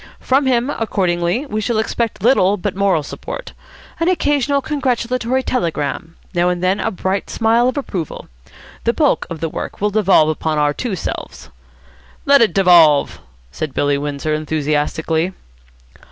From him, accordingly, we shall expect little but moral support. An occasional congratulatory telegram. Now and then a bright smile of approval. The bulk of the work will devolve upon our two selves." "Let it devolve," said Billy Windsor, enthusiastically.